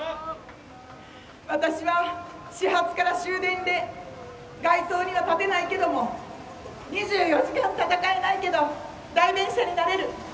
私は始発から終電で街頭には立てないけども２４時間戦えないけど代弁者になれる。